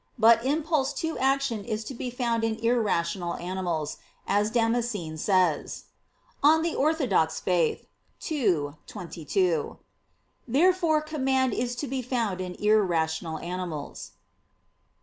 But impulse to action is to be found in irrational animals, as Damascene says (De Fide Orth. ii, 22). Therefore command is to be found in irrational animals.